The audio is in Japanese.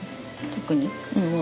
特に？